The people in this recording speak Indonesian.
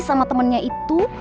sama temennya itu